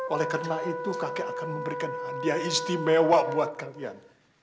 oleh karena itu kakek akan memberikan hadiah istimewa buat kalian